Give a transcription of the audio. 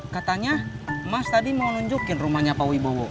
katanya mas tadi mau nunjukin rumahnya pak wibowo